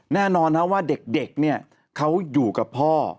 แน่นอนนะว่าเด็กเนี่ยเขาอยู่กับพ่อ